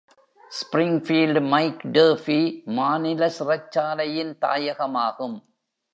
Springfield Mike Durfee மாநில சிறைச்சாலையின் தாயகமாகும்.